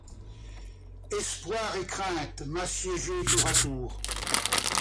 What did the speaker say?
Espoir et crainte m’assiégeaient tour à tour.